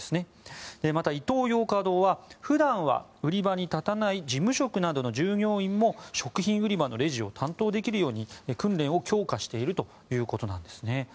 またイトーヨーカドーは普段は売り場に立たない事務職などの従業員も食品売り場のレジを担当できるように訓練を強化しているということなんですね。